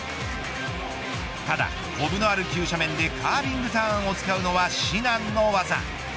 ただ、コブのある急斜面でカービングターンを使うのは至難の業。